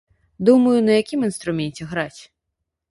Думаю, на якім інструменце граць.